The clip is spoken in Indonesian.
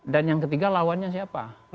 dan yang ketiga lawannya siapa